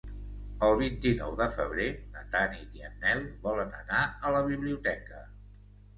El vint-i-nou de febrer na Tanit i en Nel volen anar a la biblioteca.